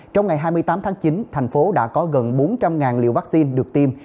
trong ngày hai mươi tám tháng chín thành phố đã có gần bốn trăm linh liều vaccine được tiêm